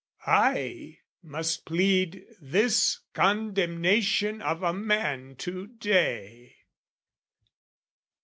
I must plead This condemnation of a man to day.